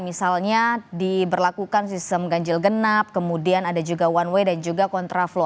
misalnya diberlakukan sistem ganjil genap kemudian ada juga one way dan juga kontraflow